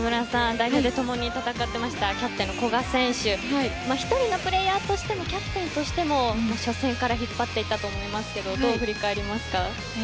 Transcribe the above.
代表で共に戦っていましたキャプテンの古賀選手１人のプレーヤーとしてもキャプテンとしても初戦から引っ張っていたと思いますがどう振り返りますか。